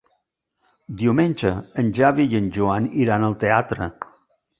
Diumenge en Xavi i en Joan iran al teatre.